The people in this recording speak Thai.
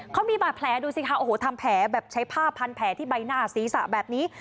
เขามีบาดแผลดูสิคะโอ้โหทำแผลแบบใช้ผ้าพันแผลที่ใบหน้าศีรษะแบบนี้